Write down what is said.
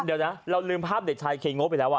เดี๋ยวนะเราลืมภาพเด็กชายเคโง่ไปแล้ว